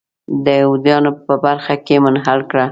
د یهودانو په برخه کې منحل کړه.